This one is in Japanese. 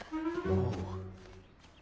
ああ。